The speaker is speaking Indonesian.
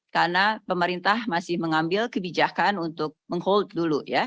karena pemerintah masih mengambil kebijakan untuk meng hold dulu ya